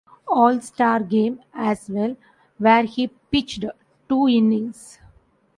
All-Star game as well, where he pitched two innings.